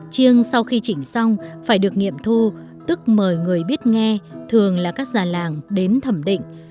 chiêng sau khi chỉnh xong phải được nghiệm thu tức mời người biết nghe thường là các già làng đến thẩm định